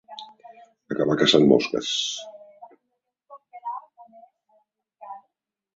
Acabar caçant mosques.